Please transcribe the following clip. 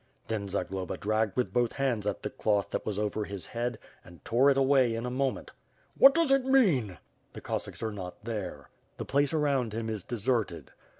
Then Zagloba dragged with both hands at the cloth that was over his head, and tore it away in a moment. "What does it mean?" The Cossacks are not there. The place around him is deserted.